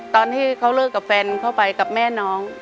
ตอนที่เขาเลิกกับแฟนเข้าไปกับแม่น้อง